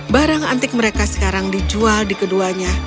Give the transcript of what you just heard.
barang antik mereka sekarang dijual di keduanya